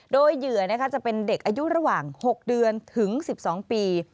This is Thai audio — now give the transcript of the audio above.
โดยเหยื่อจะเป็นเด็กอายุระหว่าง๖เดือนถึง๑๒ปี